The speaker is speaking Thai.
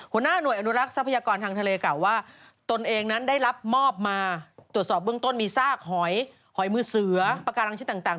หัวหน้าหน่วยอนุรักษ์ทรัพยากรทางทะเลกล่าวว่าตนเองนั้นได้รับมอบมาตรวจสอบเบื้องต้นมีซากหอยหอยมือเสือปากการังชิ้นต่าง